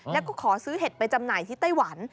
แล้วก็ขอซื้อเห็ดไปจำหน่ายที่ไต้หวัน